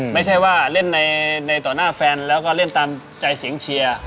ไม่ใช่ว่าเล่นในต่อหน้าแฟนแล้วก็เล่นตามใจเสียงเชียร์